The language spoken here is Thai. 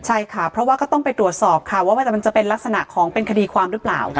ใช่ค่ะเพราะว่าก็ต้องไปตรวจสอบค่ะว่ามันจะเป็นลักษณะของเป็นคดีความหรือเปล่า